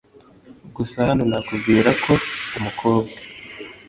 gusa hano nakubwira ko umukobwa